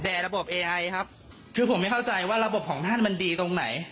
ระบบเอไอครับคือผมไม่เข้าใจว่าระบบของท่านมันดีตรงไหน